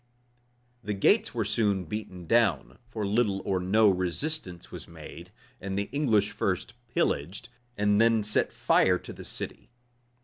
The gates were soon beaten down, (for little or no resistance was made,) and the English first pillaged, and then set fire to the city.